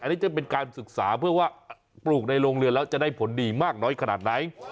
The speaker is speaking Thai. อันนี้จะเป็นการศึกษาเพื่อว่าปลูกในโรงเรือนแล้วจะได้ผลดีมากน้อยขนาดไหน